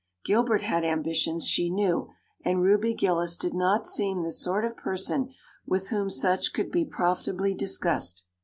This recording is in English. Gilbert had ambitions, she knew, and Ruby Gillis did not seem the sort of person with whom such could be profitably discussed.